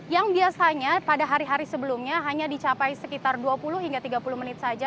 yang biasanya pada hari hari sebelumnya hanya dicapai sekitar dua puluh hingga tiga puluh menit saja